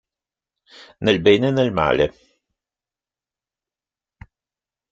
Nel bene e nel male